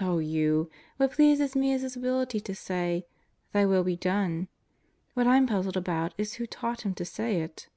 "Oh, you! What pleases me is his ability to say 'Thy will be done! 7 What I'm puzzled about is who taught him to say it."